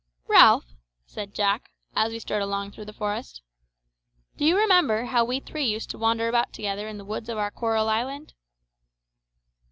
"Ralph," said Jack, as we strode along through the forest, "do you remember how we three used to wander about together in the woods of our coral island?"